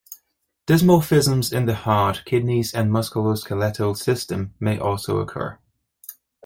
Dysmorphisms in the heart, kidneys, and musculoskeletal system may also occur.